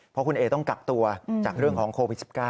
เพราะคุณเอต้องกักตัวจากเรื่องของโควิด๑๙